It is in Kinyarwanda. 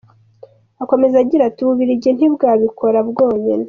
Akomeza agira ati"U Bubiligi ntibwabikora bwonyine.